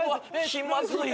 気まずい。